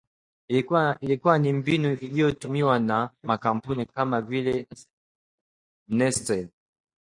ilikuwa ni mbinu iliyotumiwa na makampuni kama vile Nestle